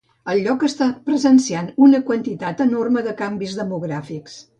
El lloc està presenciant una quantitat enorme de canvis demogràfics.